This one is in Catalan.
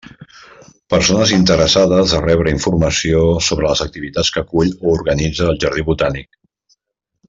Persones interessades a rebre informació sobre les activitats que acull o organitza el Jardí Botànic.